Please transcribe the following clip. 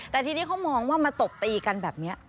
แต่ทีนี้เขามองว่ามาตบตีกันแบบนี้